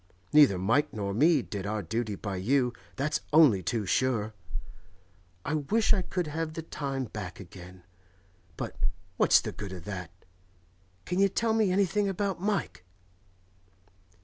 Neither Mike nor me did our duty by you, that's only too sure. I wish I could have the time back again; but what's the good of that? Can you tell me anything about Mike?